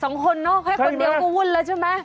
สองคนเนอะแค่คนเดียวก็วุ่นแล้วใช่ไหม